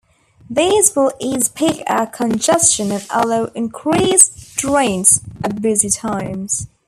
These will ease peak-hour congestion and allow increased trains at busy times.